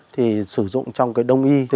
thì sử dụng trong cái đông y